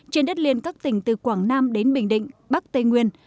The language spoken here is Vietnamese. trên đất liền các tỉnh từ quảng nam đến bình định bắc tây nguyên